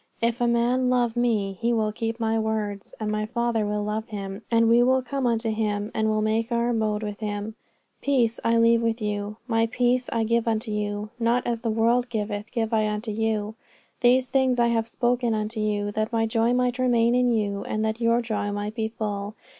If a man love Me, he will keep My words; and My Father will love him, and We will come unto him and will make Our abode with him. Peace I leave with you, My peace I give unto you: not as the world giveth, give I unto you. These things have I spoken unto you that My joy might remain in you, and that your joy might be full.